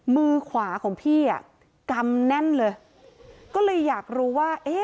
มือขวาของพี่อ่ะกำแน่นเลยก็เลยอยากรู้ว่าเอ๊ะ